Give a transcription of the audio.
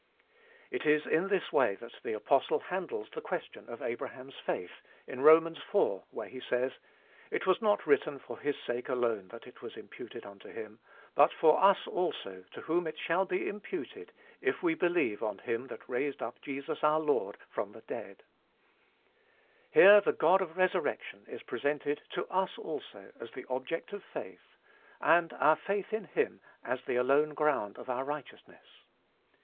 It is in this way that the apostle handles the question of Abraham's faith, in Romans iv., where he says, "It was not written for his sake alone, that it was imputed unto him; but for us also to whom it shall be imputed, if we believe on him that raised up Jesus our Lord from the dead." Here the God of resurrection is presented "to us also," as the object of faith, and our faith in him as the alone ground of our righteousness.